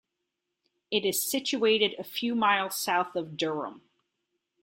It is situated a few miles south of Durham.